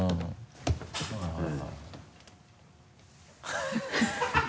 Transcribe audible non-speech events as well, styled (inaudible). ハハハ (laughs)